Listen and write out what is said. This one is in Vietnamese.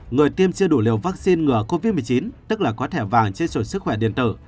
người tiêm chưa đủ liều vaccine ngừa covid một mươi chín tức là có thẻ vàng trên sổ sức khỏe điện tử